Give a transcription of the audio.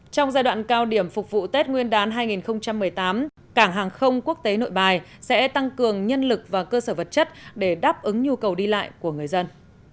trong giai đoạn cao điểm phục vụ tết nguyên đán hai nghìn một mươi tám cảng hàng không quốc tế nội bài sẽ tăng cường nhân lực và cơ sở vật chất để đáp ứng nhu cầu đi lại của người dân